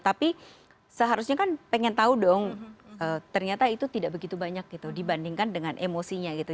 tapi seharusnya kan pengen tahu dong ternyata itu tidak begitu banyak gitu dibandingkan dengan emosinya gitu